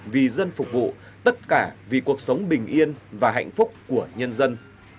vì dân phục vụ tất cả vì cuộc sống bình yên và hạnh phúc của nhân dân